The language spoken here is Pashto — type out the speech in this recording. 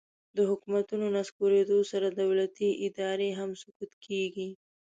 د حکومتونو نسکورېدو سره دولتي ادارې هم سقوط کیږي